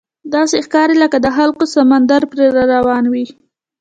داسې ښکاري لکه د خلکو سمندر پرې روان وي.